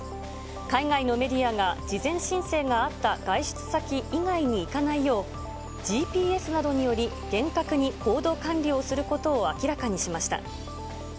海外のメディアが事前申請があった外出先以外に行かないよう、ＧＰＳなどにより、厳格に行動管理をすることを明らかにしました。